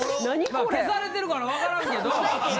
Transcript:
消されてるから分からんけど。